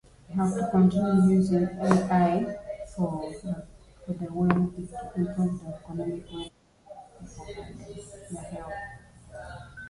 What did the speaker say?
Several of these were never completed.